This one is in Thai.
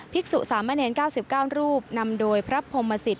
กษุสามเณร๙๙รูปนำโดยพระพรหมสิต